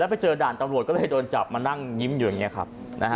ไปเจอด่านตำรวจก็เลยโดนจับมานั่งยิ้มอยู่อย่างนี้ครับ